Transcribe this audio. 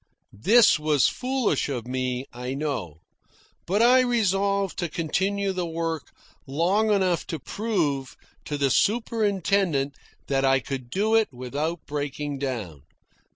This was foolish of me, I know; but I resolved to continue the work long enough to prove to the superintendent that I could do it without breaking down.